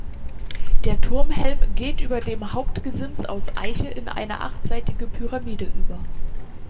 Der Turmhelm geht über dem Hauptgesims aus Eiche in eine achtseitige Pyramide über.